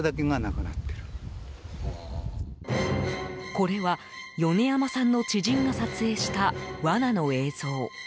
これは、米山さんの知人が撮影した罠の映像。